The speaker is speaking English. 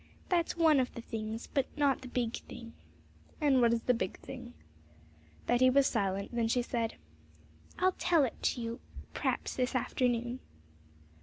'That's one of the things, but not the big thing.' 'And what is the big thing?' Betty was silent; then she said, 'I'll tell it to you p'raps this afternoon.'